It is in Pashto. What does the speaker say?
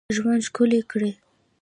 ژوند ښکلی کړی.